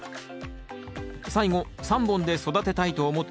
最後３本で育てたいと思った理由は？